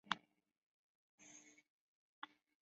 位在奈良县吉野郡天川村。